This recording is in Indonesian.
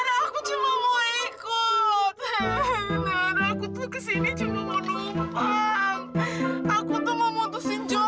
aku cuma mau nupang main mobil lah boleh